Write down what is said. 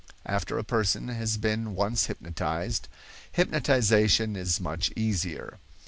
After a person has been once hypnotized, hypnotization is much easier.